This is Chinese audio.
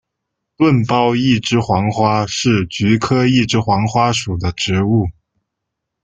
钝苞一枝黄花是菊科一枝黄花属的植物。